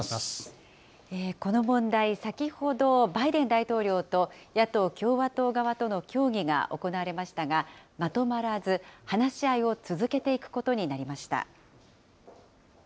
この問題、先ほどバイデン大統領と野党・共和党側との協議が行われましたが、まとまらず、話し合いを続けていくことになりました。